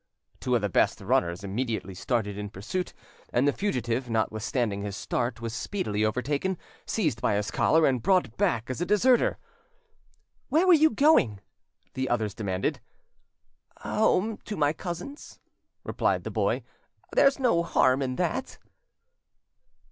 Two of the best runners immediately started in pursuit, and the fugitive, notwithstanding his start, was speedily overtaken, seized by his collar, and brought back as a deserter. "Where were you going?" the others demanded. "Home to my cousins," replied the boy; "there is no harm in that."